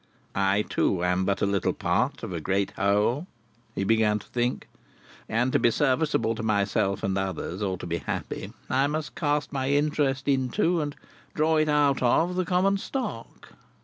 "I too am but a little part of a great whole," he began to think; "and to be serviceable to myself and others, or to be happy, I must cast my interest into, and draw it out of, the common stock."